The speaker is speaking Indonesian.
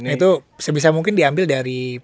itu sebisa mungkin diambil dari